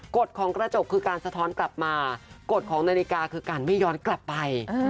กฎของกระจกคือการสะท้อนกลับมากฎของนาฬิกาคือการไม่ย้อนกลับไป